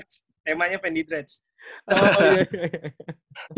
temanya pengen di dredge